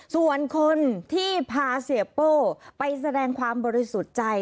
ส่วนคนที่พาเสียโป้ไปแสดงความบริสุทธิ์ใจ